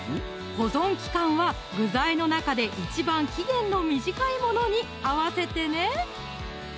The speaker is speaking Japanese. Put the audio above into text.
保存期間は具材の中で一番期限の短いものに合わせてね